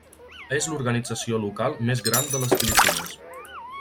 És l'organització local més gran de les Filipines.